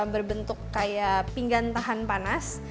berbentuk kayak pinggan tahan panas